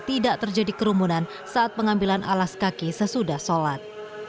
tidak terjadi kerumunan saat pengambilan alas kaki sesudah sholat